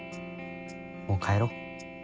もう帰ろう。